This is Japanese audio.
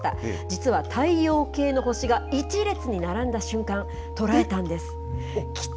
実は、太陽系の星が１列に並んだ瞬間、捉えたんです。